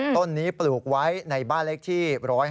ต้นนี้ปลูกไว้ในบ้านเลขที่๑๕